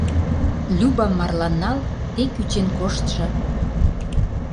— Любам марлан нал, тек кӱчен коштшо!